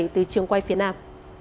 từ trường quay phía nam